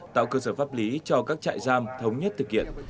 tạo cơ sở pháp lý cho các trại giam thống nhất thực hiện